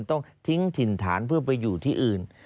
ต้องทิ้งถิ่นฐานเพื่อไปอยู่ที่อื่น